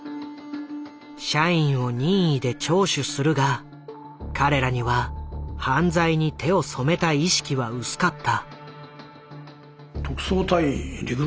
社員を任意で聴取するが彼らには犯罪に手を染めた意識は薄かった。